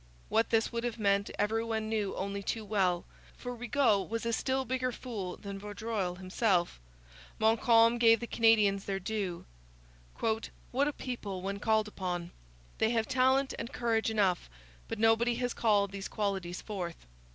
What this would have meant every one knew only too well; for Rigaud was a still bigger fool than Vaudreuil himself. Montcalm gave the Canadians their due. 'What a people, when called upon! They have talent and courage enough, but nobody has called these qualities forth.'